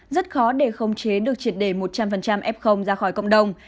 rất khó để khống chế được triệt đề một trăm linh f ra khỏi cộng đồng